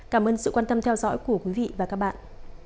cảm ơn sự quan tâm theo dõi của quý vị và các bạn